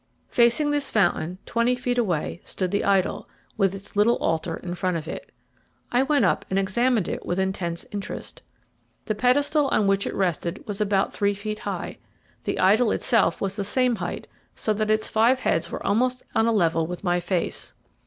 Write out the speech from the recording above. Facing this fountain, twenty feet away, stood the idol, with its little altar in front of it. I went up and examined it with intense interest. The pedestal on which it rested was about three feet high the idol itself was the same height, so that its five heads were almost on a level with my face.